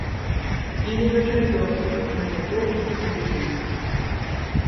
І не на чацвёрку, а на пяцёрку з плюсам.